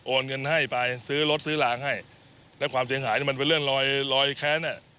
เงินให้ไปซื้อรถซื้อรางให้แล้วความเสียหายนี่มันเป็นเรื่องลอยลอยแค้นอ่ะ